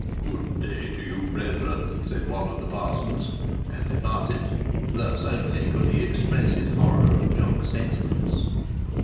"Good day to you, brethren," said one of the parsons, and departed. Thus only could he express his horror of Jock's sentiments.